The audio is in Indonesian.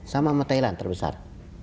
sama sama thailand terbesar